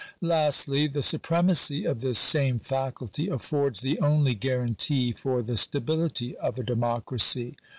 Lastly, the supremacy of this same faculty affords the only guarantee for the stability of a democracy.